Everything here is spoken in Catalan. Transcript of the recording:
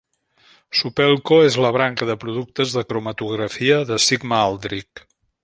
Supelco és la branca de productes de cromatografia de Sigma-Aldrich.